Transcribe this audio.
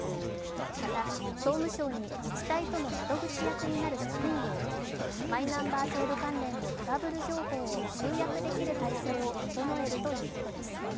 また総務省に自治体との窓口役になる職員を置き、マイナンバー制度関連のトラブル情報を集約できる体制を整えるということです。